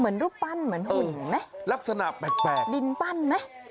รูปปั้นเหมือนหุ่นไหมลักษณะแปลกลินปั้นไหม